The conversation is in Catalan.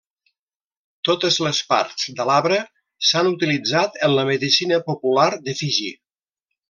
Totes les parts de l'arbre s'han utilitzat en la medicina popular de Fiji.